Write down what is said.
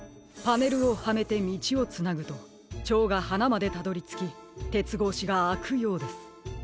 パネルをはめてみちをつなぐとチョウがはなまでたどりつきてつごうしがあくようです。